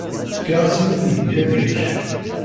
Fkiɣ-as i uydi ad yečč.